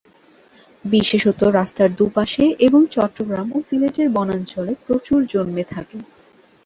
বিশেষত রাস্তার দুপাশে এবং চট্টগ্রাম ও সিলেটের বনাঞ্চলে প্রচুর জন্মে থাকে।